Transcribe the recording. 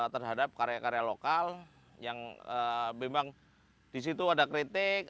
terhadap karya karya lokal yang memang disitu ada kritik